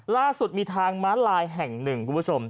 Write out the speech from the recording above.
ล่าสุดมีทางม้าลายแห่งหนึ่งคุณผู้ชม